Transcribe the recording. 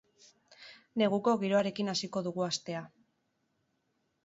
Neguko giroarekin hasiko dugu astea.